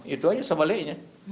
itu aja sebaliknya